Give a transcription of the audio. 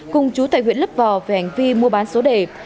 cùng chú tại huyện lấp vò về hành vi mua bán số đề